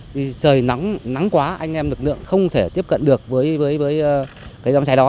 trời nắng quá anh em lực lượng không thể tiếp cận được với cái dòng cháy đó